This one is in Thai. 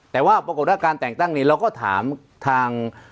แต่ว่าปรากฏว่าการแต่งตั้งนี้เราก็ถามทาง